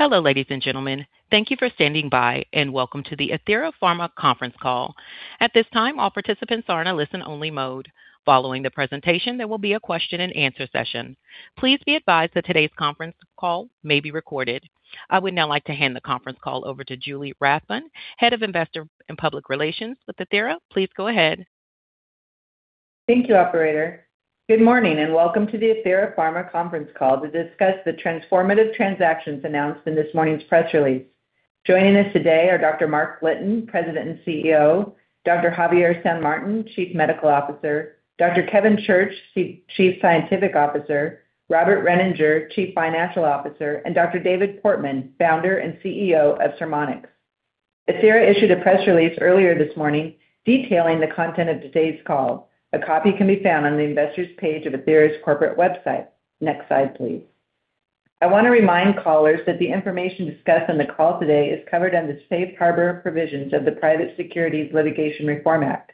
Hello, ladies and gentlemen. Thank you for standing by, and welcome to the Athira Pharma conference call. At this time, all participants are in a listen-only mode. Following the presentation, there will be a question-and-answer session. Please be advised that today's conference call may be recorded. I would now like to hand the conference call over to Julie Rathbun, Head of Investor and Public Relations with Athira. Please go ahead. Thank you, Operator. Good morning, and welcome to the Athira Pharma conference call to discuss the transformative transactions announced in this morning's press release. Joining us today are Dr. Mark Litton, President and CEO; Dr. Javier San Martin, Chief Medical Officer; Dr. Kevin Church, Chief Scientific Officer; Robert Reninger, Chief Financial Officer; and Dr. David Portman, Founder and CEO of Sermonix. Athira issued a press release earlier this morning detailing the content of today's call. A copy can be found on the investors' page of Athira's corporate website. Next slide, please. I want to remind callers that the information discussed in the call today is covered under the Safe Harbor Provisions of the Private Securities Litigation Reform Act.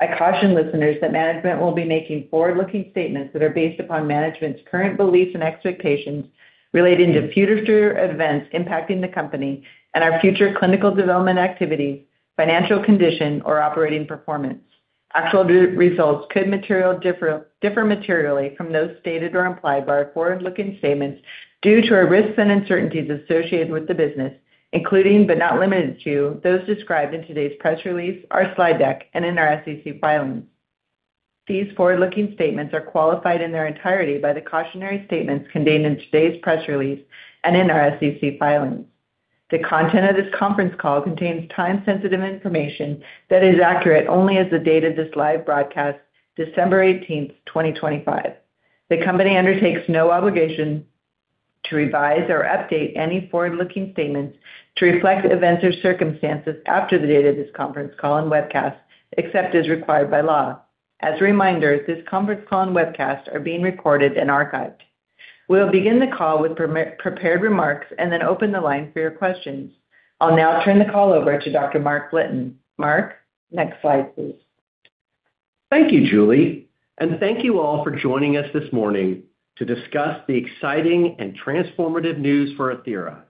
I caution listeners that management will be making forward-looking statements that are based upon management's current beliefs and expectations relating to future events impacting the company and our future clinical development activities, financial condition, or operating performance. Actual results could differ materially from those stated or implied by our forward-looking statements due to our risks and uncertainties associated with the business, including but not limited to those described in today's press release, our slide deck, and in our SEC filings. These forward-looking statements are qualified in their entirety by the cautionary statements contained in today's press release and in our SEC filings. The content of this conference call contains time-sensitive information that is accurate only as of the date of this live broadcast, December 18th, 2025. The company undertakes no obligation to revise or update any forward-looking statements to reflect events or circumstances after the date of this conference call and webcast, except as required by law. As a reminder, this conference call and webcast are being recorded and archived. We'll begin the call with prepared remarks and then open the line for your questions. I'll now turn the call over to Dr. Mark Litton. Mark, next slide, please. Thank you, Julie, and thank you all for joining us this morning to discuss the exciting and transformative news for Athira.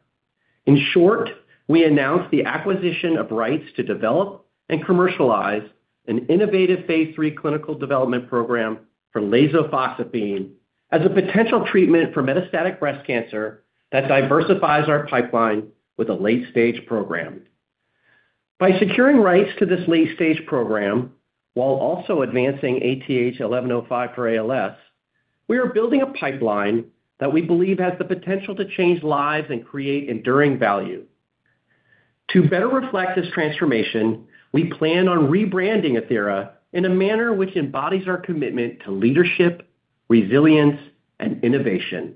In short, we announced the acquisition of rights to develop and commercialize an innovative phase III clinical development program for lasofoxifene as a potential treatment for metastatic breast cancer that diversifies our pipeline with a late-stage program. By securing rights to this late-stage program while also advancing ATH-1105 for ALS, we are building a pipeline that we believe has the potential to change lives and create enduring value. To better reflect this transformation, we plan on rebranding Athira in a manner which embodies our commitment to leadership, resilience, and innovation,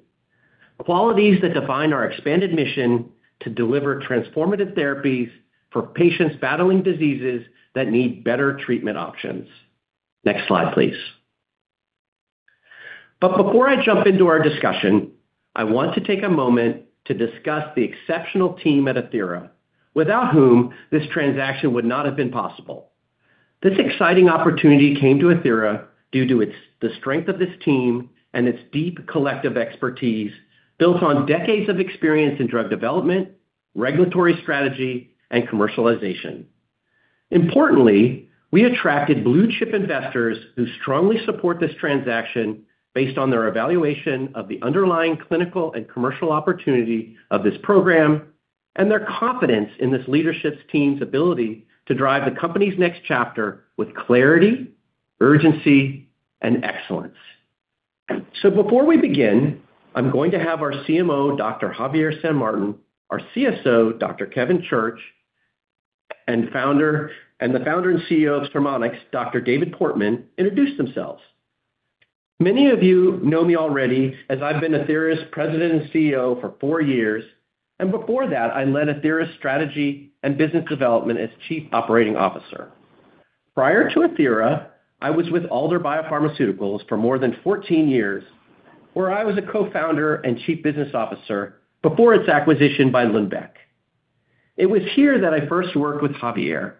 qualities that define our expanded mission to deliver transformative therapies for patients battling diseases that need better treatment options. Next slide, please. But before I jump into our discussion, I want to take a moment to discuss the exceptional team at Athira, without whom this transaction would not have been possible. This exciting opportunity came to Athira due to the strength of this team and its deep collective expertise built on decades of experience in drug development, regulatory strategy, and commercialization. Importantly, we attracted blue-chip investors who strongly support this transaction based on their evaluation of the underlying clinical and commercial opportunity of this program and their confidence in this leadership team's ability to drive the company's next chapter with clarity, urgency, and excellence. So before we begin, I'm going to have our CMO, Dr. Javier San Martin, our CSO, Dr. Kevin Church, and the founder and CEO of Sermonix, Dr. David Portman, introduce themselves. Many of you know me already as I've been Athira's President and CEO for four years, and before that, I led Athira's strategy and business development as Chief Operating Officer. Prior to Athira, I was with Alder Biopharmaceuticals for more than 14 years, where I was a co-founder and Chief Business Officer before its acquisition by Lundbeck. It was here that I first worked with Javier,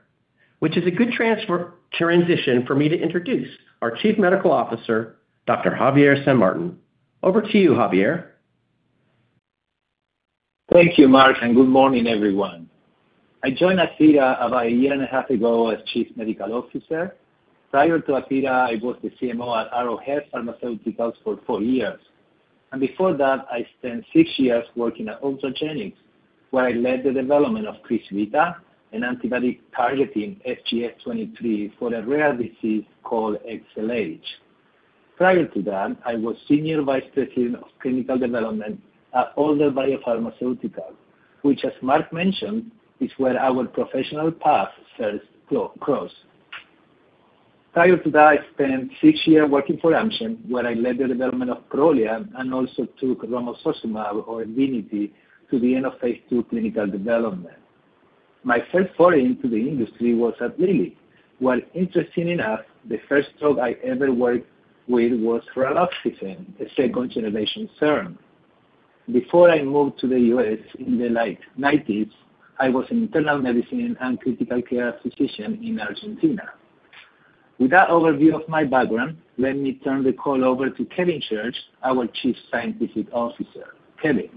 which is a good transition for me to introduce our Chief Medical Officer, Dr. Javier San Martin. Over to you, Javier. Thank you, Mark, and good morning, everyone. I joined Athira about a year and a half ago as Chief Medical Officer. Prior to Athira, I was the CMO at Arrowhead Pharmaceuticals for four years. Before that, I spent six years working at Ultragenyx, where I led the development of Crysvita, an antibody targeting FGF23 for a rare disease called XLH. Prior to that, I was Senior Vice President of Clinical Development at Alder Biopharmaceuticals, which, as Mark mentioned, is where our professional paths first crossed. Prior to that, I spent six years working for Amgen, where I led the development of Prolia and also took romosozumab, or Evenity, to the end of phase II clinical development. My first foray into the industry was at Lilly, where, interestingly enough, the first drug I ever worked with was raloxifene, a second-generation SERM. Before I moved to the U.S. in the late 1990s, I was an internal medicine and critical care physician in Argentina. With that overview of my background, let me turn the call over to Kevin Church, our Chief Scientific Officer. Kevin.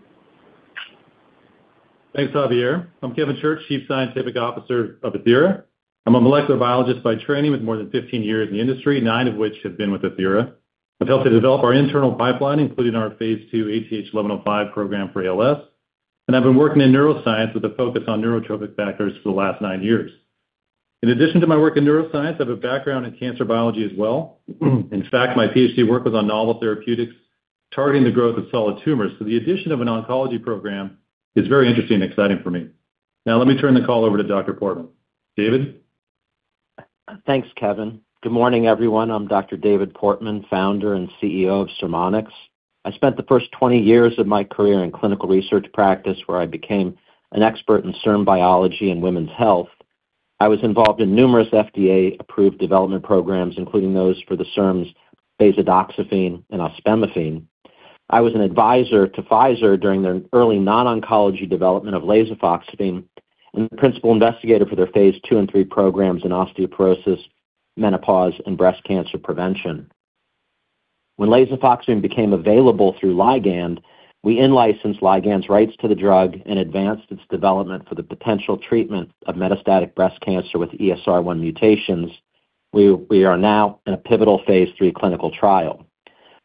Thanks, Javier. I'm Kevin Church, Chief Scientific Officer of Athira. I'm a molecular biologist by training with more than 15 years in the industry, nine of which have been with Athira. I've helped to develop our internal pipeline, including our phase II ATH-1105 program for ALS, and I've been working in neuroscience with a focus on neurotrophic factors for the last nine years. In addition to my work in neuroscience, I have a background in cancer biology as well. In fact, my PhD work was on novel therapeutics targeting the growth of solid tumors, so the addition of an oncology program is very interesting and exciting for me. Now, let me turn the call over to Dr. Portman. David? Thanks, Kevin. Good morning, everyone. I'm Dr. David Portman, Founder and CEO of Sermonix. I spent the first 20 years of my career in clinical research practice, where I became an expert in SERM biology and women's health. I was involved in numerous FDA-approved development programs, including those for the SERMs bazedoxifene and ospemifene. I was an advisor to Pfizer during the early non-oncology development of lasofoxifene and the principal investigator for their phase II and III programs in osteoporosis, menopause, and breast cancer prevention. When lasofoxifene became available through Ligand, we in-licensed Ligand's rights to the drug and advanced its development for the potential treatment of metastatic breast cancer with ESR1 mutations. We are now in a pivotal phase III clinical trial.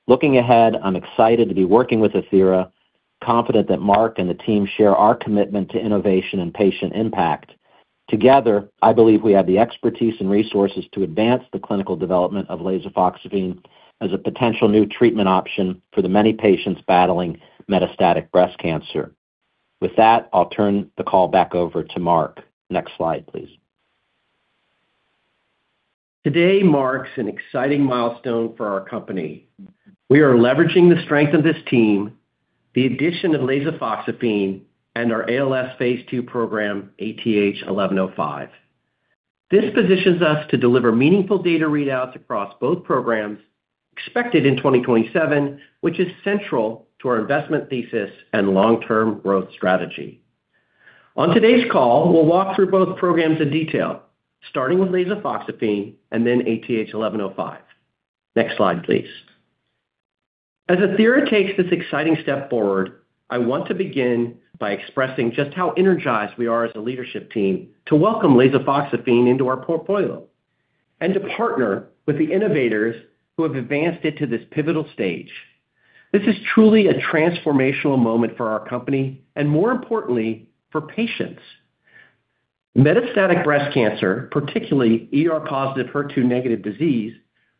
Looking ahead, I'm excited to be working with Athira, confident that Mark and the team share our commitment to innovation and patient impact. Together, I believe we have the expertise and resources to advance the clinical development of lasofoxifene as a potential new treatment option for the many patients battling metastatic breast cancer. With that, I'll turn the call back over to Mark. Next slide, please. Today marks an exciting milestone for our company. We are leveraging the strength of this team, the addition of lasofoxifene, and our ALS phase II program, ATH-1105. This positions us to deliver meaningful data readouts across both programs, expected in 2027, which is central to our investment thesis and long-term growth strategy. On today's call, we'll walk through both programs in detail, starting with lasofoxifene and then ATH-1105. Next slide, please. As Athira takes this exciting step forward, I want to begin by expressing just how energized we are as a leadership team to welcome lasofoxifene into our portfolio and to partner with the innovators who have advanced it to this pivotal stage. This is truly a transformational moment for our company and, more importantly, for patients. Metastatic breast cancer, particularly ER-positive HER2-negative disease,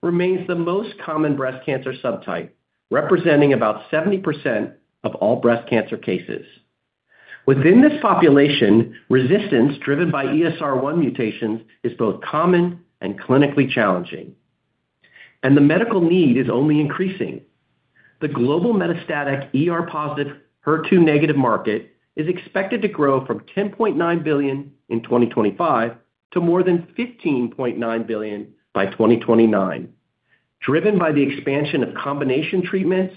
remains the most common breast cancer subtype, representing about 70% of all breast cancer cases. Within this population, resistance driven by ESR1 mutations is both common and clinically challenging, and the medical need is only increasing. The global metastatic ER-positive HER2-negative market is expected to grow from $10.9 billion in 2025 to more than $15.9 billion by 2029, driven by the expansion of combination treatments,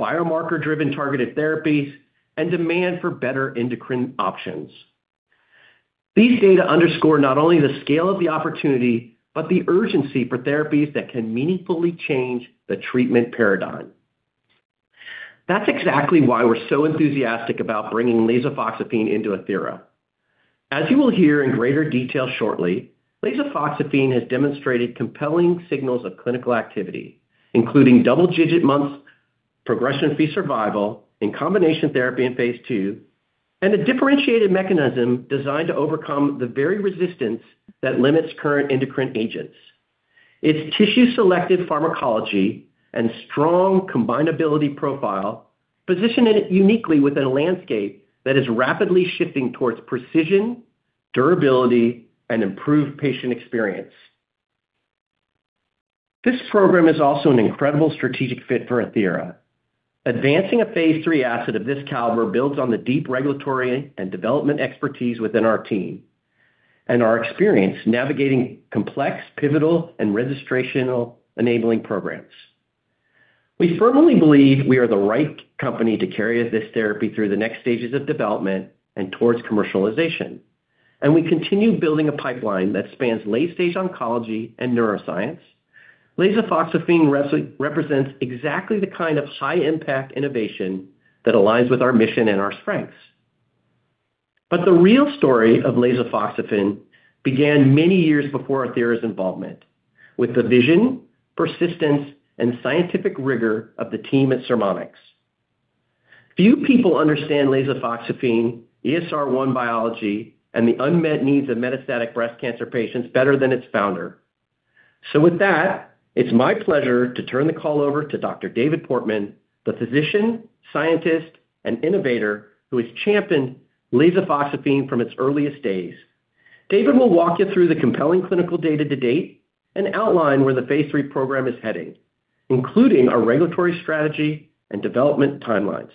biomarker-driven targeted therapies, and demand for better endocrine options. These data underscore not only the scale of the opportunity but the urgency for therapies that can meaningfully change the treatment paradigm. That's exactly why we're so enthusiastic about bringing lasofoxifene into Athira. As you will hear in greater detail shortly, lasofoxifene has demonstrated compelling signals of clinical activity, including double-digit months, progression-free survival in combination therapy in phase II, and a differentiated mechanism designed to overcome the very resistance that limits current endocrine agents. Its tissue-selective pharmacology and strong combinability profile position it uniquely within a landscape that is rapidly shifting towards precision, durability, and improved patient experience. This program is also an incredible strategic fit for Athira. Advancing a phase III asset of this caliber builds on the deep regulatory and development expertise within our team and our experience navigating complex, pivotal, and registration-enabling programs. We firmly believe we are the right company to carry this therapy through the next stages of development and towards commercialization, and we continue building a pipeline that spans late-stage oncology and neuroscience. Lasofoxifene represents exactly the kind of high-impact innovation that aligns with our mission and our strengths. But the real story of lasofoxifene began many years before Athira's involvement, with the vision, persistence, and scientific rigor of the team at Sermonix. Few people understand lasofoxifene, ESR1 biology, and the unmet needs of metastatic breast cancer patients better than its founder. So, with that, it's my pleasure to turn the call over to Dr. David Portman, the physician, scientist, and innovator who has championed lasofoxifene from its earliest days. David will walk you through the compelling clinical data to date and outline where the phase III program is heading, including our regulatory strategy and development timelines.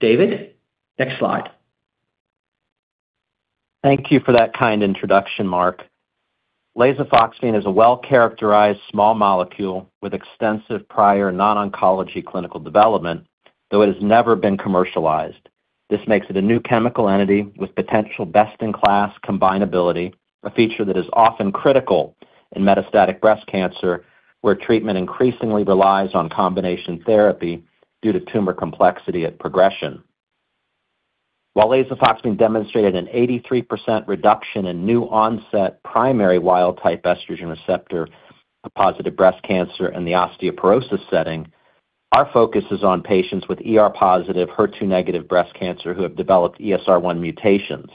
David, next slide. Thank you for that kind introduction, Mark. Lasofoxifene is a well-characterized small molecule with extensive prior non-oncology clinical development, though it has never been commercialized. This makes it a new chemical entity with potential best-in-class combinability, a feature that is often critical in metastatic breast cancer, where treatment increasingly relies on combination therapy due to tumor complexity at progression. While lasofoxifene demonstrated an 83% reduction in new-onset primary wild-type estrogen receptor-positive breast cancer in the osteoporosis setting, our focus is on patients with ER-positive HER2-negative breast cancer who have developed ESR1 mutations.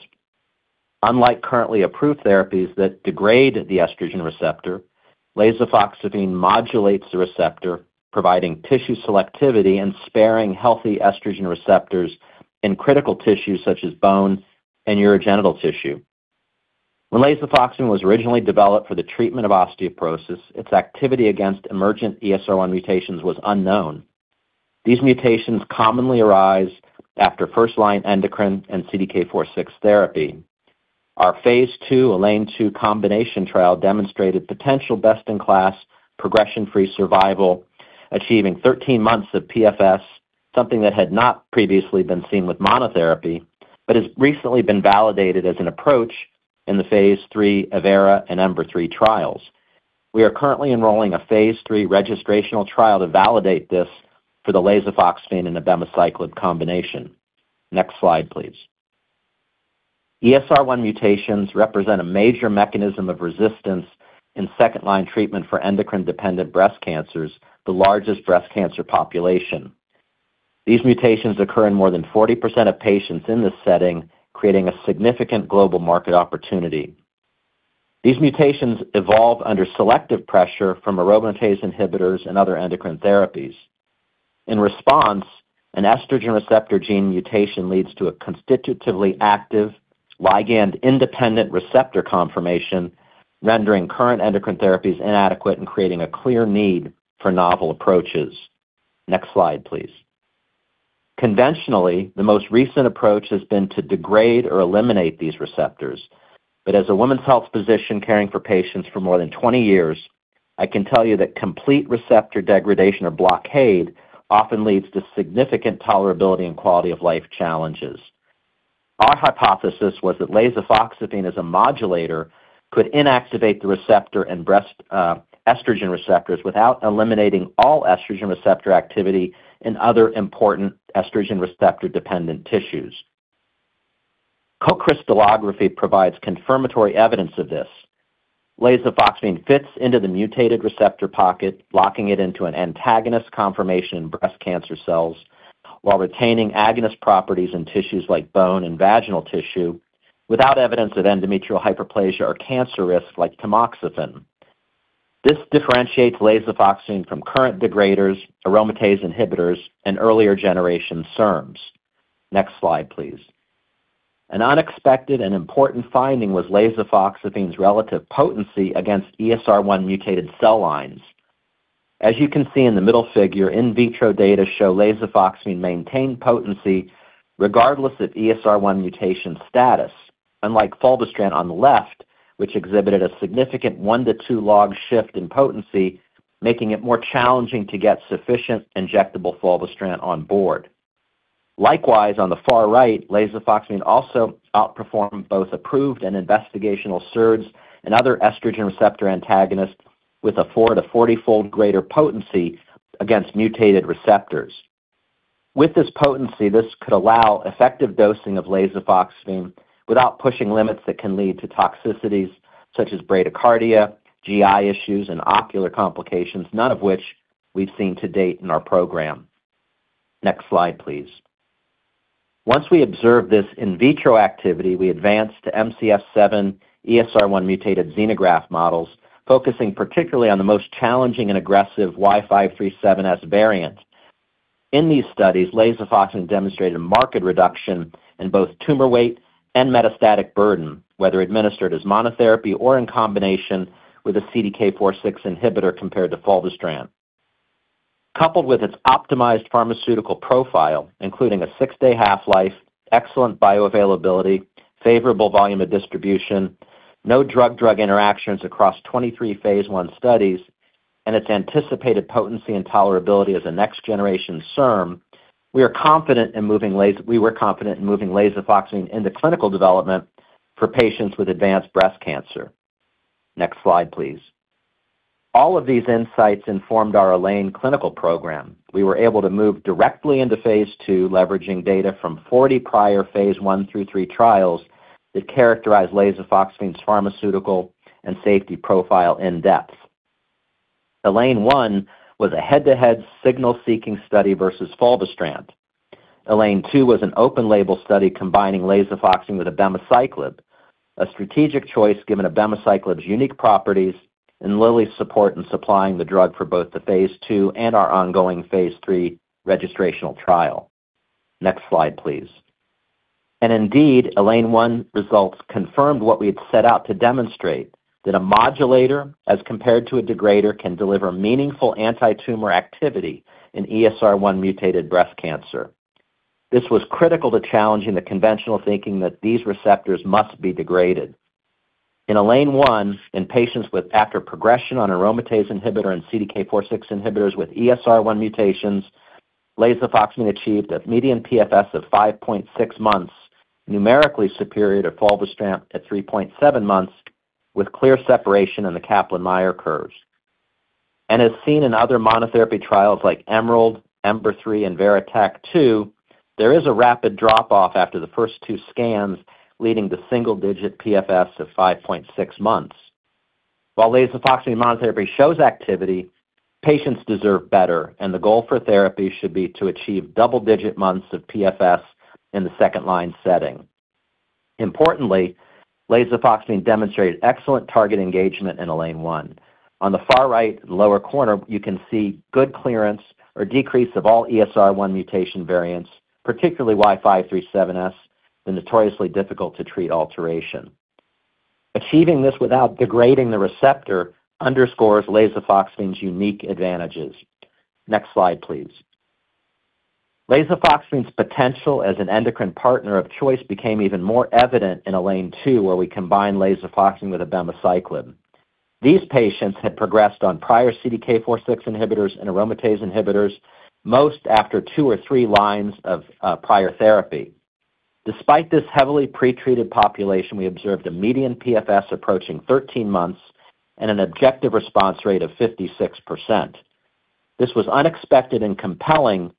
Unlike currently approved therapies that degrade the estrogen receptor, lasofoxifene modulates the receptor, providing tissue selectivity and sparing healthy estrogen receptors in critical tissues such as bone and urogenital tissue. When lasofoxifene was originally developed for the treatment of osteoporosis, its activity against emergent ESR1 mutations was unknown. These mutations commonly arise after first-line endocrine and CDK4/6 therapy. Our phase II ELAINE-2 combination trial demonstrated potential best-in-class progression-free survival, achieving 13 months of PFS, something that had not previously been seen with monotherapy but has recently been validated as an approach in the phase III evERA and EMBER-3 trials. We are currently enrolling a phase III registrational trial to validate this for the lasofoxifene and abemaciclib combination. Next slide, please. ESR1 mutations represent a major mechanism of resistance in second-line treatment for endocrine-dependent breast cancers, the largest breast cancer population. These mutations occur in more than 40% of patients in this setting, creating a significant global market opportunity. These mutations evolve under selective pressure from aromatase inhibitors and other endocrine therapies. In response, an estrogen receptor gene mutation leads to a constitutively active ligand-independent receptor conformation, rendering current endocrine therapies inadequate and creating a clear need for novel approaches. Next slide, please. Conventionally, the most recent approach has been to degrade or eliminate these receptors, but as a women's health physician caring for patients for more than 20 years, I can tell you that complete receptor degradation or blockade often leads to significant tolerability and quality-of-life challenges. Our hypothesis was that lasofoxifene, as a modulator, could inactivate the receptor and breast estrogen receptors without eliminating all estrogen receptor activity in other important estrogen receptor-dependent tissues. Co-crystallography provides confirmatory evidence of this. Lasofoxifene fits into the mutated receptor pocket, locking it into an antagonist conformation in breast cancer cells while retaining agonist properties in tissues like bone and vaginal tissue without evidence of endometrial hyperplasia or cancer risk like tamoxifen. This differentiates lasofoxifene from current degraders, aromatase inhibitors, and earlier-generation SERMs. Next slide, please. An unexpected and important finding was lasofoxifene's relative potency against ESR1-mutated cell lines. As you can see in the middle figure, in vitro data show lasofoxifene maintained potency regardless of ESR1 mutation status, unlike fulvestrant on the left, which exhibited a significant 1 to 2 log shifts in potency, making it more challenging to get sufficient injectable fulvestrant on board. Likewise, on the far right, lasofoxifene also outperformed both approved and investigational SERDs and other estrogen receptor antagonists with a 4 to 40-fold greater potency against mutated receptors. With this potency, this could allow effective dosing of lasofoxifene without pushing limits that can lead to toxicities such as bradycardia, GI issues, and ocular complications, none of which we've seen to date in our program. Next slide, please. Once we observed this in vitro activity, we advanced to MCF7 ESR1-mutated xenograft models, focusing particularly on the most challenging and aggressive Y537S variant. In these studies, lasofoxifene demonstrated a marked reduction in both tumor weight and metastatic burden, whether administered as monotherapy or in combination with a CDK4/6 inhibitor compared to fulvestrant. Coupled with its optimized pharmaceutical profile, including a six-day half-life, excellent bioavailability, favorable volume of distribution, no drug-drug interactions across 23 phase I studies, and its anticipated potency and tolerability as a next-generation SERM, we were confident in moving lasofoxifene into clinical development for patients with advanced breast cancer. Next slide, please. All of these insights informed our ELAINE clinical program. We were able to move directly into phase II, leveraging data from 40 prior phase I through III trials that characterized lasofoxifene's pharmaceutical and safety profile in depth. ELAINE-1 was a head-to-head signal-seeking study versus fulvestrant. ELAINE-2 was an open-label study combining lasofoxifene with abemaciclib, a strategic choice given abemaciclib's unique properties and Lilly's support in supplying the drug for both the phase II and our ongoing phase III registrational trial. Next slide, please. Indeed, ELAINE-1 results confirmed what we had set out to demonstrate: that a modulator, as compared to a degrader, can deliver meaningful anti-tumor activity in ESR1-mutated breast cancer. This was critical to challenging the conventional thinking that these receptors must be degraded. In ELAINE-1, in patients after progression on aromatase inhibitor and CDK4/6 inhibitors with ESR1 mutations, lasofoxifene achieved a median PFS of 5.6 months, numerically superior to fulvestrant at 3.7 months, with clear separation in the Kaplan-Meier curves. As seen in other monotherapy trials like EMERALD, EMBER-3, and VERITAC-2, there is a rapid drop-off after the first two scans, leading to single-digit PFS of 5.6 months. While lasofoxifene monotherapy shows activity, patients deserve better, and the goal for therapy should be to achieve double-digit months of PFS in the second-line setting. Importantly, lasofoxifene demonstrated excellent target engagement in ELAINE-1. On the far-right lower corner, you can see good clearance or decrease of all ESR1 mutation variants, particularly Y537S, the notoriously difficult-to-treat alteration. Achieving this without degrading the receptor underscores lasofoxifene's unique advantages. Next slide, please. Lasofoxifene's potential as an endocrine partner of choice became even more evident in ELAINE-2, where we combined lasofoxifene with abemaciclib. These patients had progressed on prior CDK4/6 inhibitors and aromatase inhibitors, most after two or three lines of prior therapy. Despite this heavily pretreated population, we observed a median PFS approaching 13 months and an objective response rate of 56%. This was unexpected and compelling,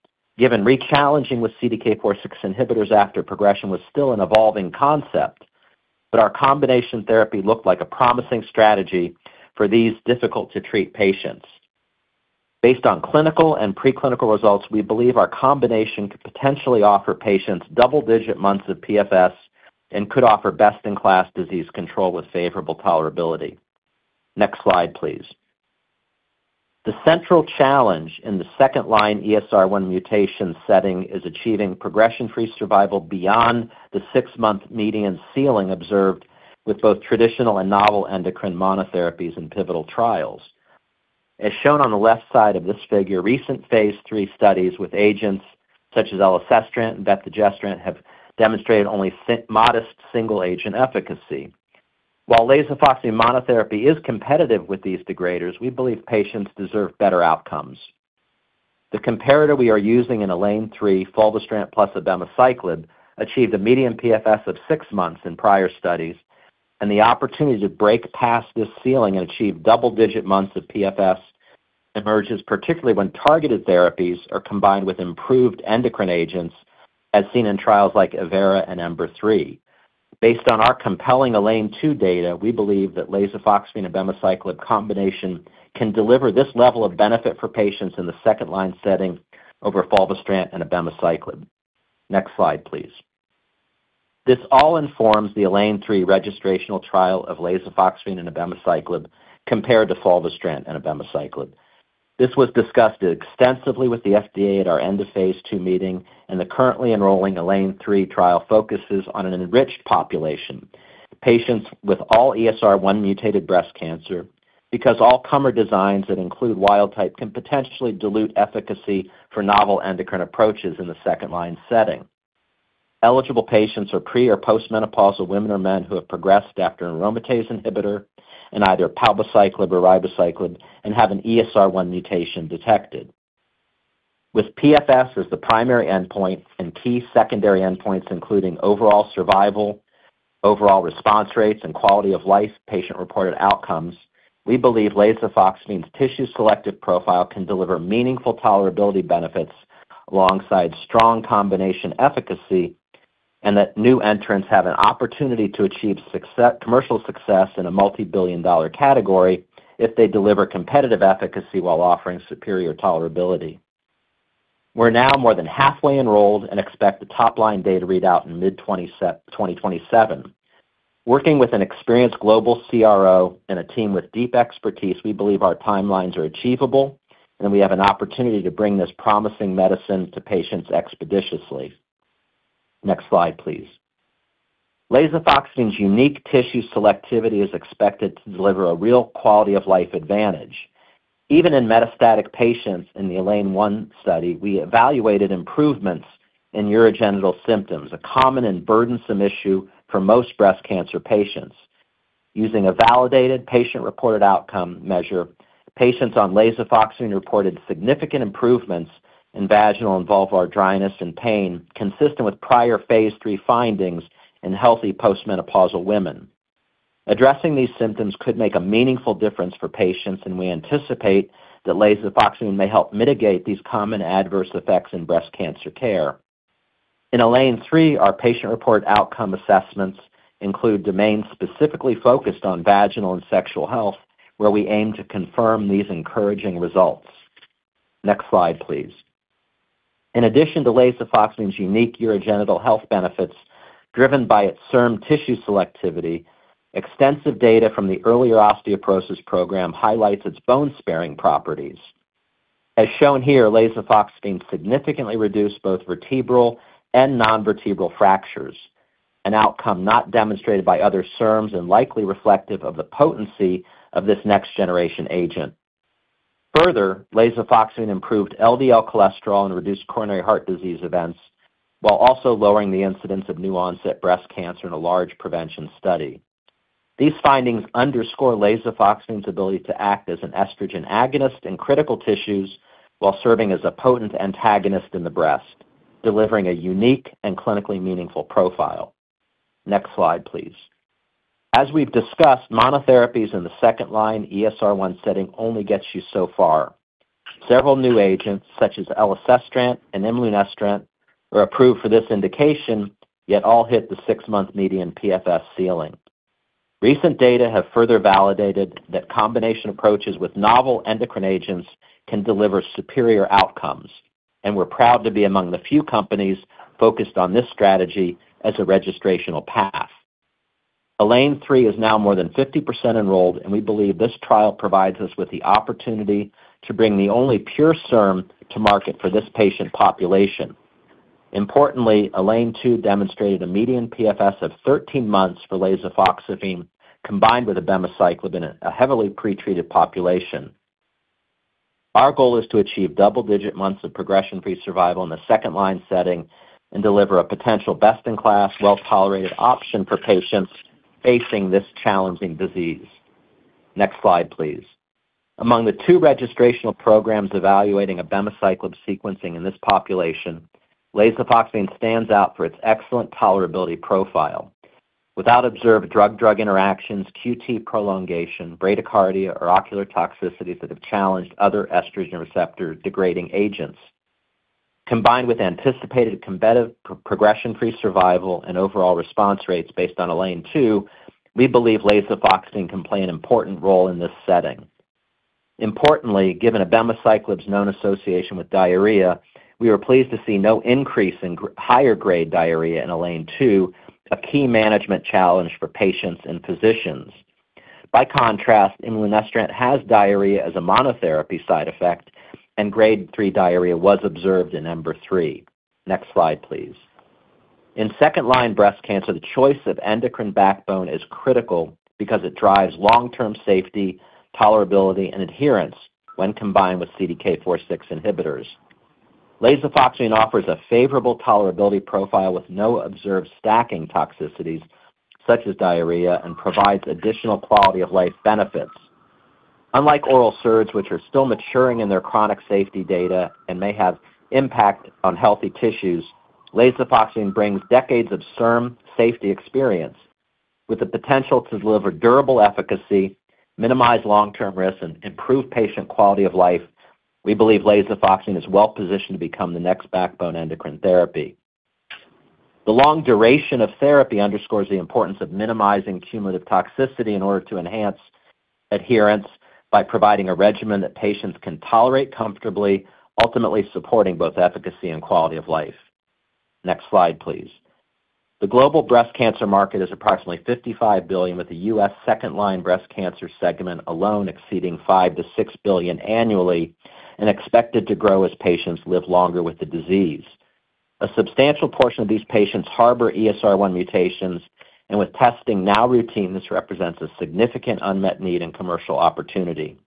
given re-challenging with CDK4/6 inhibitors after progression was still an evolving concept, but our combination therapy looked like a promising strategy for these difficult-to-treat patients. Based on clinical and preclinical results, we believe our combination could potentially offer patients double-digit months of PFS and could offer best-in-class disease control with favorable tolerability. Next slide, please. The central challenge in the second-line ESR1 mutation setting is achieving progression-free survival beyond the six-month median ceiling observed with both traditional and novel endocrine monotherapies in pivotal trials. As shown on the left side of this figure, recent phase III studies with agents such as elacestrant and giredestrant have demonstrated only modest single-agent efficacy. While lasofoxifene monotherapy is competitive with these degraders, we believe patients deserve better outcomes. The comparator we are using in ELAINE-3, fulvestrant plus abemaciclib, achieved a median PFS of six months in prior studies, and the opportunity to break past this ceiling and achieve double-digit months of PFS emerges particularly when targeted therapies are combined with improved endocrine agents, as seen in trials like evERA and EMBER-3. Based on our compelling ELAINE-2 data, we believe that lasofoxifene and abemaciclib combination can deliver this level of benefit for patients in the second line setting over fulvestrant and abemaciclib. Next slide, please. This all informs the ELAINE-3 registrational trial of lasofoxifene and abemaciclib compared to fulvestrant and abemaciclib. This was discussed extensively with the FDA at our end of phase II meeting, and the currently enrolling ELAINE-3 trial focuses on an enriched population, patients with all ESR1-mutated breast cancer, because all comer designs that include wild-type can potentially dilute efficacy for novel endocrine approaches in the second-line setting. Eligible patients are pre- or postmenopausal women or men who have progressed after an aromatase inhibitor and either palbociclib or ribociclib and have an ESR1 mutation detected. With PFS as the primary endpoint and key secondary endpoints including overall survival, overall response rates, and quality-of-life patient-reported outcomes, we believe lasofoxifene's tissue selective profile can deliver meaningful tolerability benefits alongside strong combination efficacy and that new entrants have an opportunity to achieve commercial success in a multi-billion-dollar category if they deliver competitive efficacy while offering superior tolerability. We're now more than halfway enrolled and expect the top-line data readout in mid-2027. Working with an experienced global CRO and a team with deep expertise, we believe our timelines are achievable, and we have an opportunity to bring this promising medicine to patients expeditiously. Next slide, please. Lasofoxifene's unique tissue selectivity is expected to deliver a real quality-of-life advantage. Even in metastatic patients in the ELAINE-1 study, we evaluated improvements in urogenital symptoms, a common and burdensome issue for most breast cancer patients. Using a validated patient-reported outcome measure, patients on lasofoxifene reported significant improvements in vaginal and vulvar dryness and pain, consistent with prior phase III findings in healthy postmenopausal women. Addressing these symptoms could make a meaningful difference for patients, and we anticipate that lasofoxifene may help mitigate these common adverse effects in breast cancer care. In ELAINE-3, our patient-reported outcome assessments include domains specifically focused on vaginal and sexual health, where we aim to confirm these encouraging results. Next slide, please. In addition to lasofoxifene's unique urogenital health benefits driven by its SERM tissue selectivity, extensive data from the earlier osteoporosis program highlights its bone-sparing properties. As shown here, lasofoxifene significantly reduced both vertebral and nonvertebral fractures, an outcome not demonstrated by other SERMs and likely reflective of the potency of this next-generation agent. Further, lasofoxifene improved LDL cholesterol and reduced coronary heart disease events, while also lowering the incidence of new-onset breast cancer in a large prevention study. These findings underscore lasofoxifene's ability to act as an estrogen agonist in critical tissues while serving as a potent antagonist in the breast, delivering a unique and clinically meaningful profile. Next slide, please. As we've discussed, monotherapies in the second-line ESR1 setting only get you so far. Several new agents, such as elacestrant and imlunestrant, were approved for this indication, yet all hit the six-month median PFS ceiling. Recent data have further validated that combination approaches with novel endocrine agents can deliver superior outcomes, and we're proud to be among the few companies focused on this strategy as a registrational path. ELAINE-3 is now more than 50% enrolled, and we believe this trial provides us with the opportunity to bring the only pure SERM to market for this patient population. Importantly, ELAINE-2 demonstrated a median PFS of 13 months for lasofoxifene combined with abemaciclib in a heavily pretreated population. Our goal is to achieve double-digit months of progression-free survival in the second-line setting and deliver a potential best-in-class, well-tolerated option for patients facing this challenging disease. Next slide, please. Among the two registrational programs evaluating abemaciclib sequencing in this population, lasofoxifene stands out for its excellent tolerability profile, without observed drug-drug interactions, QT prolongation, bradycardia, or ocular toxicities that have challenged other estrogen receptor degrading agents. Combined with anticipated progression-free survival and overall response rates based on ELAINE-2, we believe lasofoxifene can play an important role in this setting. Importantly, given abemaciclib's known association with diarrhea, we were pleased to see no increase in higher-grade diarrhea in ELAINE-2, a key management challenge for patients and physicians. By contrast, imlunestrant has diarrhea as a monotherapy side effect, and grade 3 diarrhea was observed in EMBER-3. Next slide, please. In second-line breast cancer, the choice of endocrine backbone is critical because it drives long-term safety, tolerability, and adherence when combined with CDK4/6 inhibitors. Lasofoxifene offers a favorable tolerability profile with no observed stacking toxicities, such as diarrhea, and provides additional quality-of-life benefits. Unlike oral SERDs, which are still maturing in their chronic safety data and may have impact on healthy tissues, lasofoxifene brings decades of SERM safety experience. With the potential to deliver durable efficacy, minimize long-term risk, and improve patient quality of life, we believe lasofoxifene is well-positioned to become the next backbone endocrine therapy. The long duration of therapy underscores the importance of minimizing cumulative toxicity in order to enhance adherence by providing a regimen that patients can tolerate comfortably, ultimately supporting both efficacy and quality of life. Next slide, please. The global breast cancer market is approximately $55 billion, with the U.S. second-line breast cancer segment alone exceeding $5 billion-$6 billion annually and expected to grow as patients live longer with the disease. A substantial portion of these patients harbor ESR1 mutations, and with testing now routine, this represents a significant unmet need and commercial opportunity.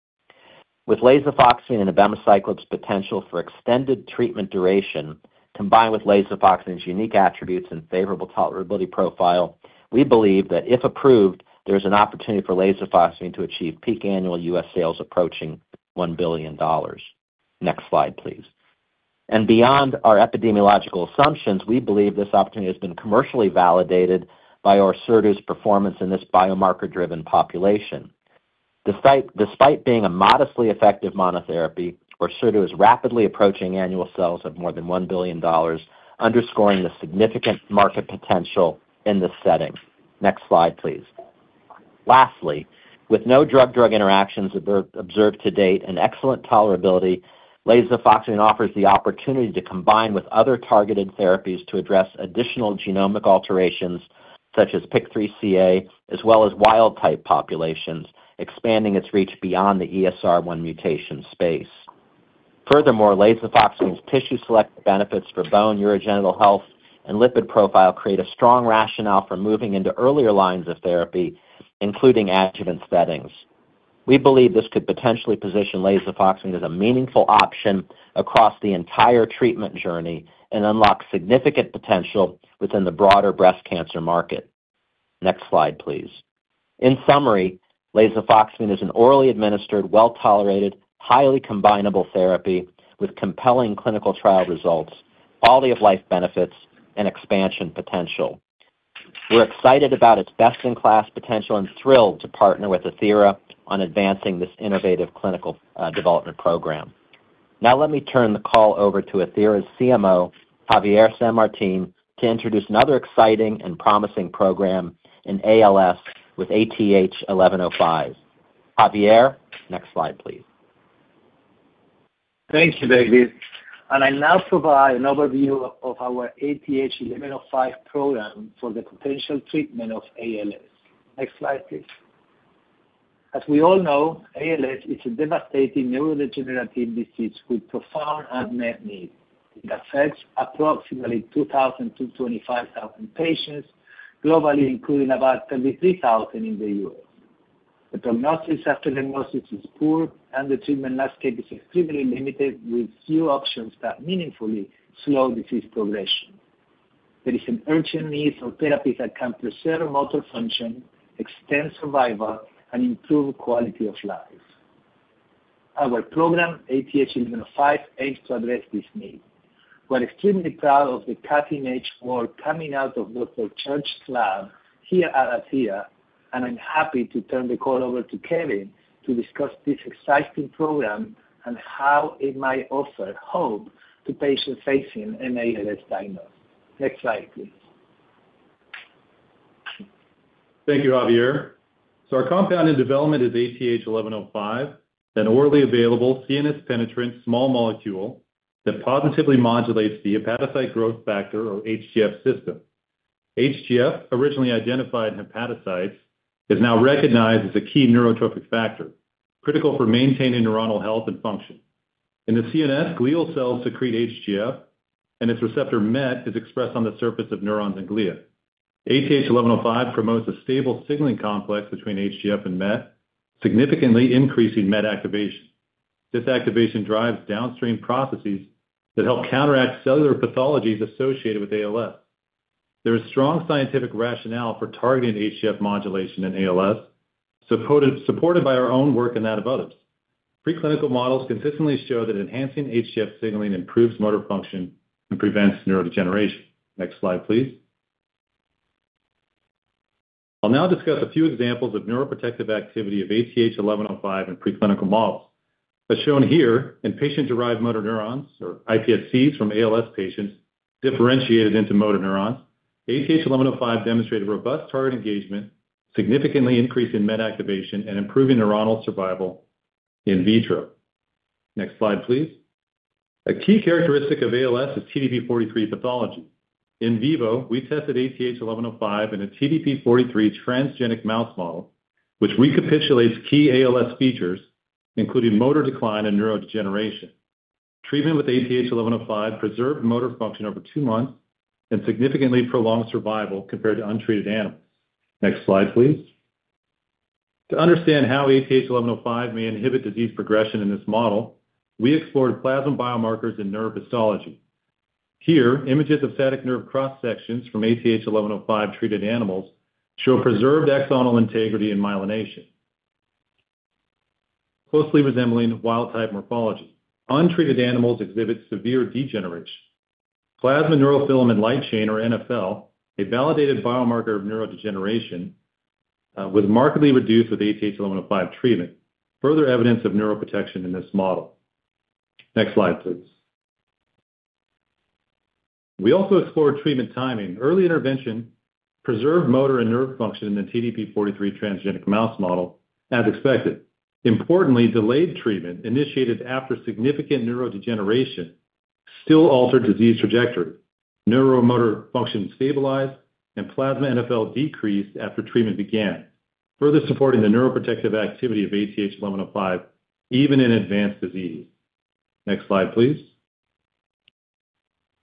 With lasofoxifene and abemaciclib's potential for extended treatment duration, combined with lasofoxifene's unique attributes and favorable tolerability profile, we believe that if approved, there is an opportunity for lasofoxifene to achieve peak annual U.S. sales approaching $1 billion. Next slide, please. And beyond our epidemiological assumptions, we believe this opportunity has been commercially validated by Orserdu's performance in this biomarker-driven population. Despite being a modestly effective monotherapy, Orserdu is rapidly approaching annual sales of more than $1 billion, underscoring the significant market potential in this setting. Next slide, please. Lastly, with no drug-drug interactions observed to date and excellent tolerability, lasofoxifene offers the opportunity to combine with other targeted therapies to address additional genomic alterations, such as PIK3CA, as well as wild-type populations, expanding its reach beyond the ESR1 mutation space. Furthermore, lasofoxifene's tissue selective benefits for bone, urogenital health, and lipid profile create a strong rationale for moving into earlier lines of therapy, including adjuvant settings. We believe this could potentially position lasofoxifene as a meaningful option across the entire treatment journey and unlock significant potential within the broader breast cancer market. Next slide, please. In summary, lasofoxifene is an orally administered, well-tolerated, highly combinable therapy with compelling clinical trial results, quality-of-life benefits, and expansion potential. We're excited about its best-in-class potential and thrilled to partner with Athira on advancing this innovative clinical development program. Now, let me turn the call over to Athira's CMO, Javier San Martin, to introduce another exciting and promising program in ALS with ATH-1105. Javier, next slide, please. Thank you, David, and I'll now provide an overview of our ATH-1105 program for the potential treatment of ALS. Next slide, please. As we all know, ALS is a devastating neurodegenerative disease with profound unmet needs. It affects approximately 2,000 patients-25,000 patients globally, including about 33,000 in the U.S. The prognosis after diagnosis is poor, and the treatment landscape is extremely limited, with few options that meaningfully slow disease progression. There is an urgent need for therapies that can preserve motor function, extend survival, and improve quality of life. Our program, ATH-1105, aims to address this need. We're extremely proud of the cutting-edge work coming out of Dr. Church's lab here at Athira, and I'm happy to turn the call over to Kevin to discuss this exciting program and how it might offer hope to patients facing an ALS diagnosis. Next slide, please. Thank you, Javier. So, our compound in development is ATH-1105, an orally available, CNS-penetrant small molecule that positively modulates the hepatocyte growth factor, or HGF, system. HGF, originally identified in hepatocytes, is now recognized as a key neurotrophic factor, critical for maintaining neuronal health and function. In the CNS, glial cells secrete HGF, and its receptor Met is expressed on the surface of neurons and glia. ATH-1105 promotes a stable signaling complex between HGF and Met, significantly increasing Met activation. This activation drives downstream processes that help counteract cellular pathologies associated with ALS. There is strong scientific rationale for targeting HGF modulation in ALS, supported by our own work and that of others. Preclinical models consistently show that enhancing HGF signaling improves motor function and prevents neurodegeneration. Next slide, please. I'll now discuss a few examples of neuroprotective activity of ATH-1105 in preclinical models. As shown here, in patient-derived motor neurons, or iPSCs, from ALS patients differentiated into motor neurons, ATH-1105 demonstrated robust target engagement, significantly increasing Met activation, and improving neuronal survival in vitro. Next slide, please. A key characteristic of ALS is TDP-43 pathology. In vivo, we tested ATH-1105 in a TDP-43 transgenic mouse model, which recapitulates key ALS features, including motor decline and neurodegeneration. Treatment with ATH-1105 preserved motor function over two months and significantly prolonged survival compared to untreated animals. Next slide, please. To understand how ATH-1105 may inhibit disease progression in this model, we explored plasma biomarkers in nerve histology. Here, images of sciatic nerve cross-sections from ATH-1105-treated animals show preserved axonal integrity and myelination, closely resembling wild-type morphology. Untreated animals exhibit severe degeneration. Plasma neurofilament light chain, or NfL, a validated biomarker of neurodegeneration, was markedly reduced with ATH-1105 treatment, further evidence of neuroprotection in this model. Next slide, please. We also explored treatment timing. Early intervention preserved motor and nerve function in the TDP-43 transgenic mouse model, as expected. Importantly, delayed treatment initiated after significant neurodegeneration still altered disease trajectory. Neuromotor function stabilized, and plasma NfL decreased after treatment began, further supporting the neuroprotective activity of ATH-1105, even in advanced disease. Next slide, please.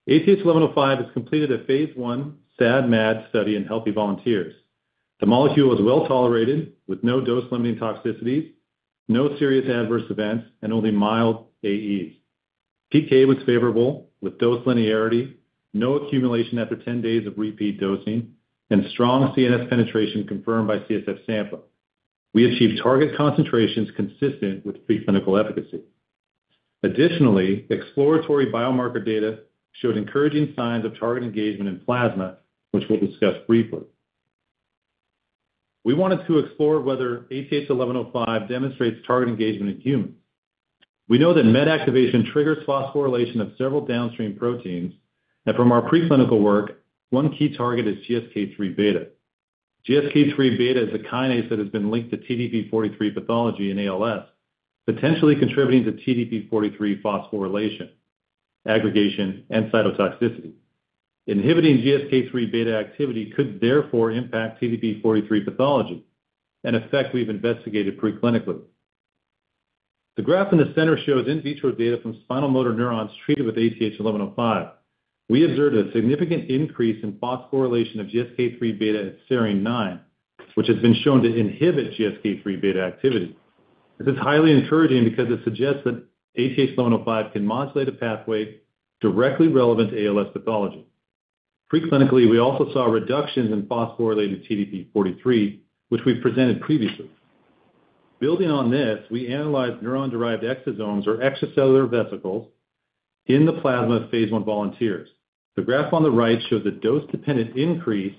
ATH-1105 has completed a phase I SAD-MAD study in healthy volunteers. The molecule was well tolerated, with no dose-limiting toxicities, no serious adverse events, and only mild AEs. PK was favorable, with dose linearity, no accumulation after 10 days of repeat dosing, and strong CNS penetration confirmed by CSF sampling. We achieved target concentrations consistent with preclinical efficacy. Additionally, exploratory biomarker data showed encouraging signs of target engagement in plasma, which we'll discuss briefly. We wanted to explore whether ATH-1105 demonstrates target engagement in humans. We know that Met activation triggers phosphorylation of several downstream proteins, and from our preclinical work, one key target is GSK3 beta. GSK3 beta is a kinase that has been linked to TDP-43 pathology in ALS, potentially contributing to TDP-43 phosphorylation, aggregation, and cytotoxicity. Inhibiting GSK3 beta activity could therefore impact TDP-43 pathology, an effect we've investigated preclinically. The graph in the center shows in vitro data from spinal motor neurons treated with ATH-1105. We observed a significant increase in phosphorylation of GSK3 beta at serine-9, which has been shown to inhibit GSK3 beta activity. This is highly encouraging because it suggests that ATH-1105 can modulate a pathway directly relevant to ALS pathology. Preclinically, we also saw reductions in phosphorylated TDP-43, which we've presented previously. Building on this, we analyzed neuron-derived exosomes, or extracellular vesicles, in the plasma of phase I volunteers. The graph on the right shows a dose-dependent increase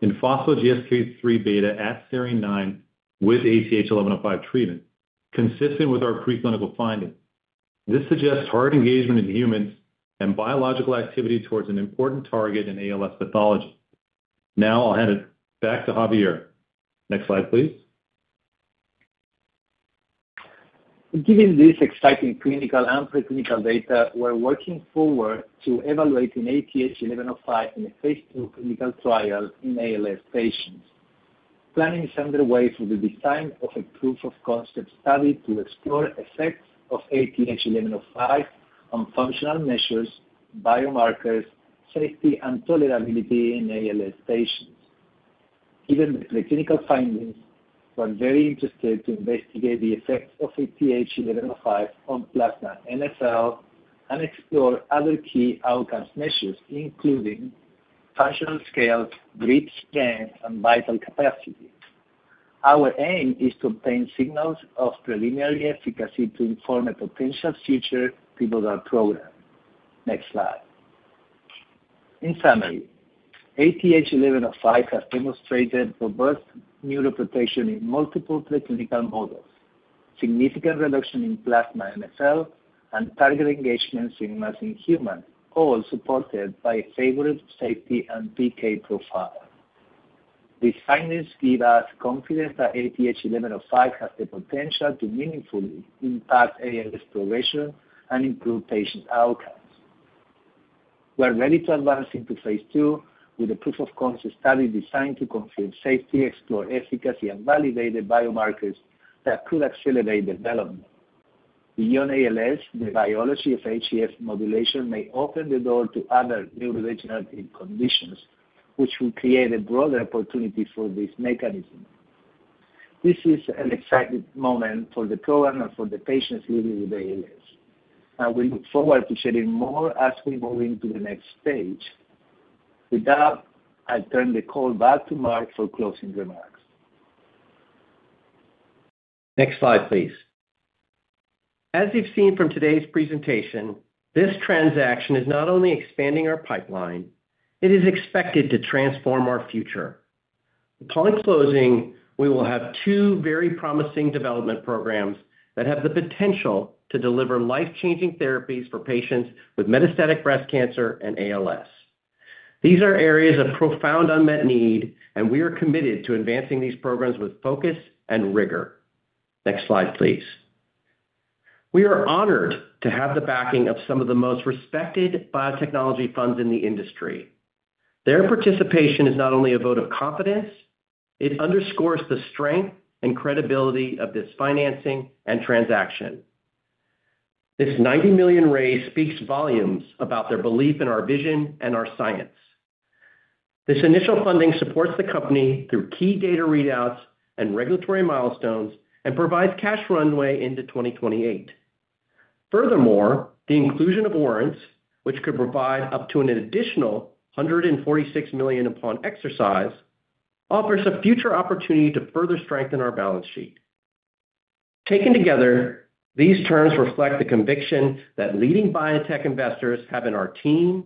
in phospho-GSK3 beta at serine-9 with ATH-1105 treatment, consistent with our preclinical findings. This suggests target engagement in humans and biological activity towards an important target in ALS pathology. Now, I'll hand it back to Javier. Next slide, please. Given this exciting clinical and preclinical data, we're working forward to evaluating ATH-1105 in a phase II clinical trial in ALS patients. Planning is underway for the design of a proof-of-concept study to explore effects of ATH-1105 on functional measures, biomarkers, safety, and tolerability in ALS patients. Given the preclinical findings, we're very interested to investigate the effects of ATH-1105 on plasma NfL and explore other key outcome measures, including functional scales, grip strength, and vital capacity. Our aim is to obtain signals of preliminary efficacy to inform a potential future pivotal program. Next slide. In summary, ATH-1105 has demonstrated robust neuroprotection in multiple preclinical models, significant reduction in plasma NfL, and target engagements in mice and humans, all supported by a favorable safety and PK profile. These findings give us confidence that ATH-1105 has the potential to meaningfully impact ALS progression and improve patient outcomes. We're ready to advance into phase II with a proof-of-concept study designed to confirm safety, explore efficacy, and validate the biomarkers that could accelerate development. Beyond ALS, the biology of HGF modulation may open the door to other neurodegenerative conditions, which will create a broader opportunity for this mechanism. This is an exciting moment for the program and for the patients living with ALS, and we look forward to sharing more as we move into the next stage. With that, I'll turn the call back to Mark for closing remarks. Next slide, please. As you've seen from today's presentation, this transaction is not only expanding our pipeline. It is expected to transform our future. Upon closing, we will have two very promising development programs that have the potential to deliver life-changing therapies for patients with metastatic breast cancer and ALS. These are areas of profound unmet need, and we are committed to advancing these programs with focus and rigor. Next slide, please. We are honored to have the backing of some of the most respected biotechnology funds in the industry. Their participation is not only a vote of confidence. It underscores the strength and credibility of this financing and transaction. This $90 million raise speaks volumes about their belief in our vision and our science. This initial funding supports the company through key data readouts and regulatory milestones and provides cash runway into 2028. Furthermore, the inclusion of warrants, which could provide up to an additional $146 million upon exercise, offers a future opportunity to further strengthen our balance sheet. Taken together, these terms reflect the conviction that leading biotech investors have in our team,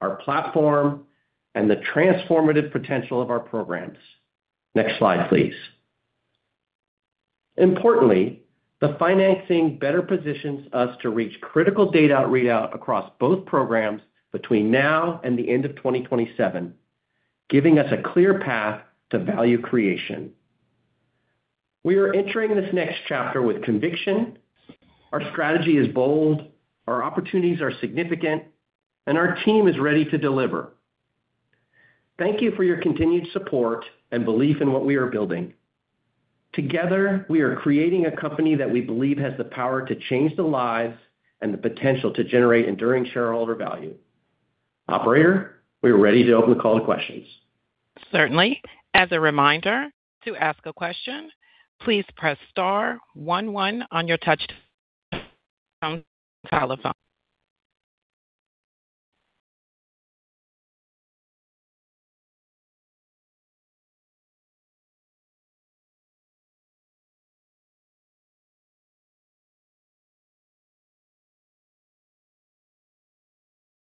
our platform, and the transformative potential of our programs. Next slide, please. Importantly, the financing better positions us to reach critical data readout across both programs between now and the end of 2027, giving us a clear path to value creation. We are entering this next chapter with conviction. Our strategy is bold, our opportunities are significant, and our team is ready to deliver. Thank you for your continued support and belief in what we are building. Together, we are creating a company that we believe has the power to change the lives and the potential to generate enduring shareholder value. Operator, we are ready to open the call to questions. Certainly. As a reminder, to ask a question, please press star one one on your touch-tone telephone.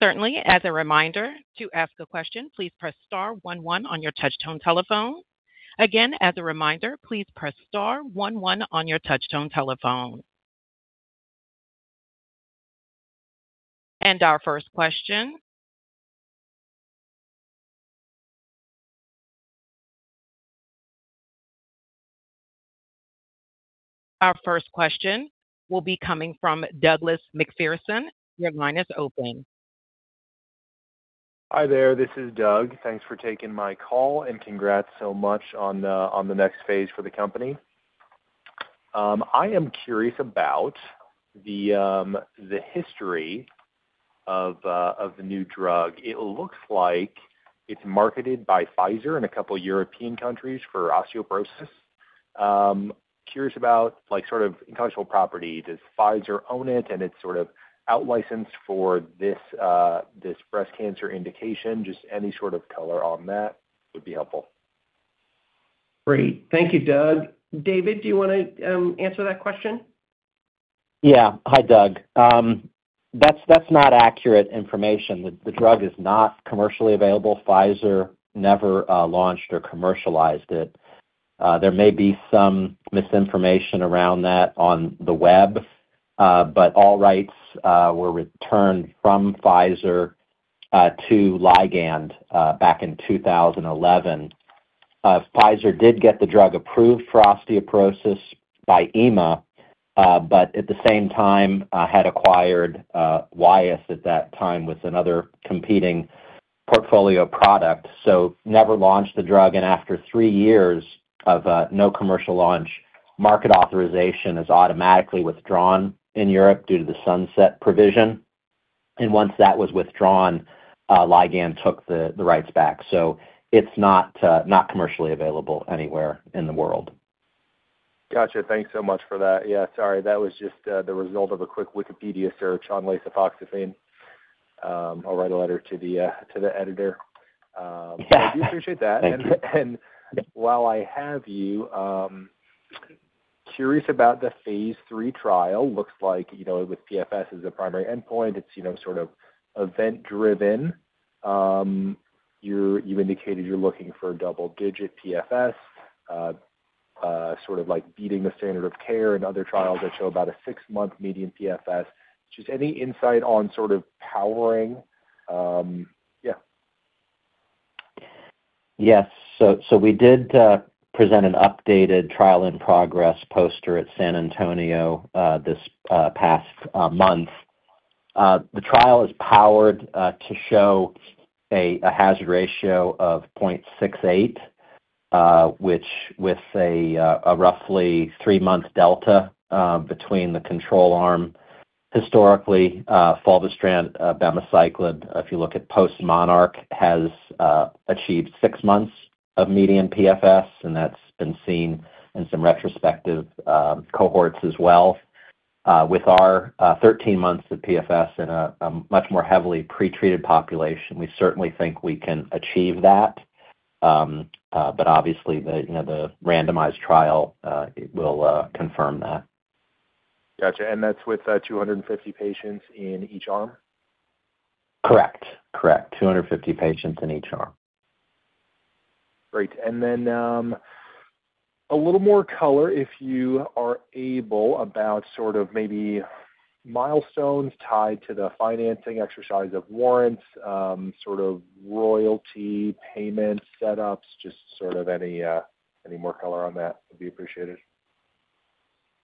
Certainly. As a reminder, to ask a question, please press star one one on your touch-tone telephone. Again, as a reminder, please press star one one on your touch-tone telephone. And our first question. Our first question will be coming from Douglas McPherson. Your line is open. Hi there. This is Doug. Thanks for taking my call and congrats so much on the next phase for the company. I am curious about the history of the new drug. It looks like it's marketed by Pfizer in a couple of European countries for osteoporosis. Curious about sort of intellectual property. Does Pfizer own it, and it's sort of out-licensed for this breast cancer indication? Just any sort of color on that would be helpful. Great. Thank you, Doug. David, do you want to answer that question? Yeah. Hi, Doug. That's not accurate information. The drug is not commercially available. Pfizer never launched or commercialized it. There may be some misinformation around that on the web, but all rights were returned from Pfizer to Ligand back in 2011. Pfizer did get the drug approved for osteoporosis by EMA, but at the same time had acquired Wyeth at that time with another competing portfolio product. So never launched the drug, and after three years of no commercial launch, market authorization is automatically withdrawn in Europe due to the sunset provision. And once that was withdrawn, Ligand took the rights back. So it's not commercially available anywhere in the world. Gotcha. Thanks so much for that. Yeah. Sorry. That was just the result of a quick Wikipedia search on lasofoxifene. I'll write a letter to the editor. I do appreciate that. And while I have you, curious about the phase III trial. Looks like with PFS as a primary endpoint, it's sort of event-driven. You indicated you're looking for a double-digit PFS, sort of like beating the standard of care and other trials that show about a six-month median PFS. Just any insight on sort of powering? Yeah. Yes. So we did present an updated trial-in-progress poster at San Antonio this past month. The trial is powered to show a hazard ratio of 0.68, which with a roughly three-month delta between the control arm. Historically, fulvestrant abemaciclib, if you look at postMONARCH, has achieved six months of median PFS, and that's been seen in some retrospective cohorts as well. With our 13 months of PFS in a much more heavily pretreated population, we certainly think we can achieve that. But obviously, the randomized trial will confirm that. Gotcha. And that's with 250 patients in each arm? Correct. 250 patients in each arm. Great. And then a little more color, if you are able, about sort of maybe milestones tied to the financing exercise of warrants, sort of royalty payment setups, just sort of any more color on that would be appreciated.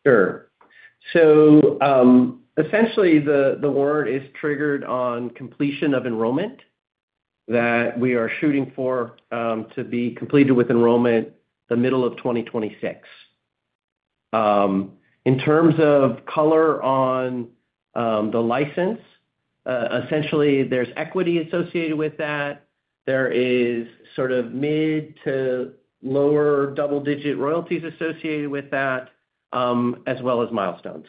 Sure. So, essentially, the warrant is triggered on completion of enrollment that we are shooting for to be completed with enrollment the middle of 2026. In terms of color on the license, essentially, there's equity associated with that. There is sort of mid- to lower double-digit royalties associated with that, as well as milestones.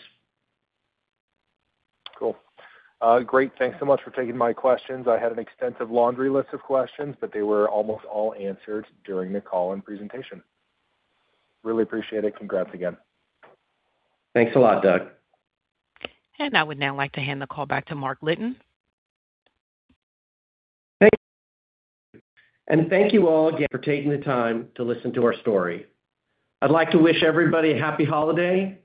Cool. Great. Thanks so much for taking my questions. I had an extensive laundry list of questions, but they were almost all answered during the call and presentation. Really appreciate it. Congrats again. Thanks a lot, Doug. And I would now like to hand the call back to Mark Litton. Thanks. And thank you all again for taking the time to listen to our story. I'd like to wish everybody a happy holiday,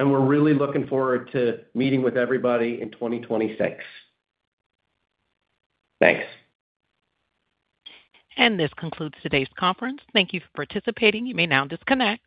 and we're really looking forward to meeting with everybody in 2026. Thanks. And this concludes today's conference. Thank you for participating. You may now disconnect.